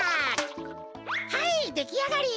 はいできあがり。